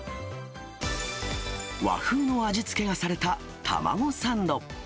和風の味付けがされた卵サンド。